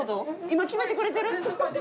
今決めてくれてる？